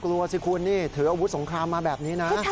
กลัวสิถืออาวุธสงครำมาแบบนี้นะ